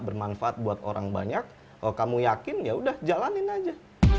bermanfaat buat orang banyak kalau kamu yakin ya udah jalanin aja